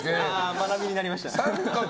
学びになりました。